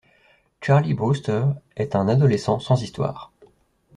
Charlie Brewster est un adolescent sans histoires.